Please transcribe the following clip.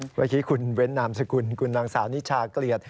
เมื่อกี้คุณเว้นนามสกุลคุณนางสาวนิชาเกลียด